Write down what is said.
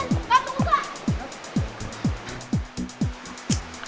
kak tunggu kak